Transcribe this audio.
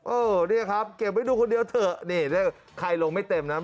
เออเนี่ยครับเก็บไว้ดูคนเดียวเถอะนี่เรียกใครลงไม่เต็มนะ